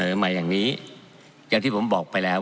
ก็เสนอใหม่อย่างนี้อย่างที่ผมบอกไปแล้ว